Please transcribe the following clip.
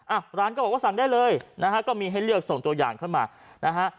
อ่ะร้านก็บอกว่าสั่งได้เลยนะฮะก็มีให้เลือกส่งตัวอย่างขึ้นมานะฮะ